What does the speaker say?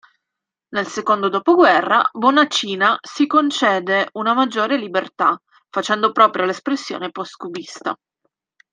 Nel secondo dopoguerra, Bonacina si concede una maggiore libertà, facendo propria l'espressione post-cubista.